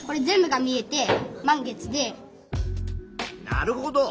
なるほど。